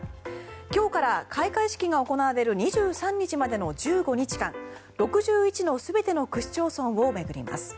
今日から開会式が行われる２３日までの１５日間６１の全ての区市町村を巡ります。